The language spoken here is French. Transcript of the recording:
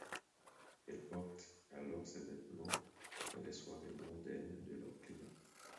Elle porte alors ces vêtements dans les soirées mondaines de leurs clients.